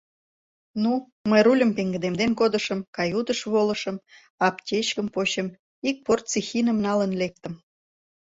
Ну, мый рульым пеҥгыдемден кодышым, каютыш волышым, аптечкым почым, ик порций хиным налын лектым